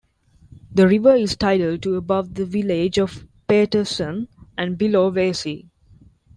The river is tidal to above the village of Paterson and below Vacy.